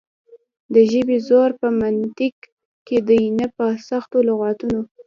د ژبې زور په منطق کې دی نه په سختو لغتونو.